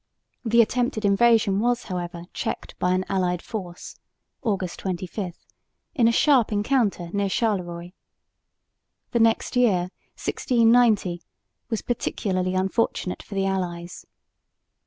The attempted invasion was, however, checked by an allied force (August 25) in a sharp encounter near Charleroi. The next year, 1690, was particularly unfortunate for the allies.